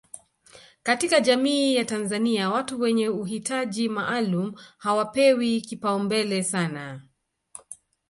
katika jamii ya Tanzania watu wenye uhitaji maalum hawapewi kipaumbele sana